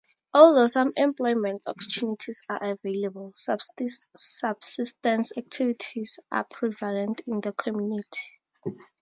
Although some employment opportunities are available, subsistence activities are prevalent in the community.